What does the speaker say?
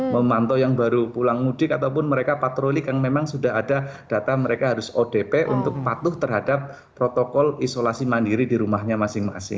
memantau yang baru pulang mudik ataupun mereka patrolik yang memang sudah ada data mereka harus odp untuk patuh terhadap protokol isolasi mandiri di rumahnya masing masing